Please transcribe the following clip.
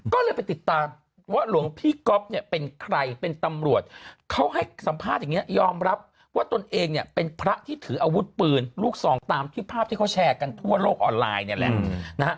ก็เลยไปติดตามว่าหลวงพี่ก๊อฟเนี่ยเป็นใครเป็นตำรวจเขาให้สัมภาษณ์อย่างนี้ยอมรับว่าตนเองเนี่ยเป็นพระที่ถืออาวุธปืนลูกซองตามที่ภาพที่เขาแชร์กันทั่วโลกออนไลน์เนี่ยแหละนะฮะ